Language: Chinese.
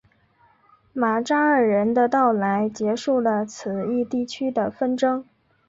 马扎尔人的到来结束了此一地区的纷争。